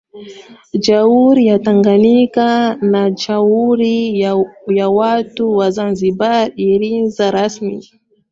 Jamhuri ya Tanganyika na Jamhuri ya Watu wa Zanzibar ilianza rasmi